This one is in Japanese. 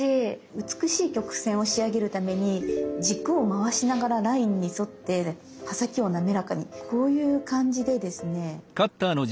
美しい曲線を仕上げるために軸を回しながらラインに沿って刃先を滑らかにこういう感じでですね